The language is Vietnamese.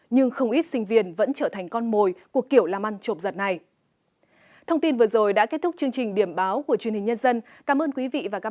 nhưng không ít sinh viên vẫn trở thành con mồi của kiểu làm ăn trộm giật này